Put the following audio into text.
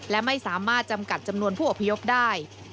และไม่สามารถจำกัดจำนวนผู้อพยพได้